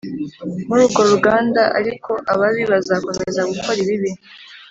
Muri urwo ruganda ariko ababi bazakomeza gukora ibibi